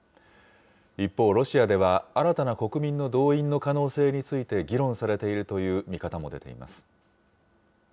一方、ロシアでは新たな国民の動員の可能性について議論されているという見方も出ています。